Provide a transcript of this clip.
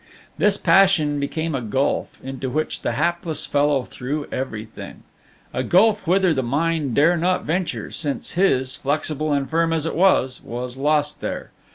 This passion became a gulf, into which the hapless fellow threw everything; a gulf whither the mind dare not venture, since his, flexible and firm as it was, was lost there.